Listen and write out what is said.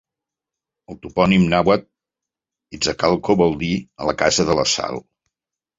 El topònim nàhuatl "Iztacalco" vol dir "a la casa de la sal".